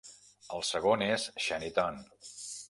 El segon és "Shine It On".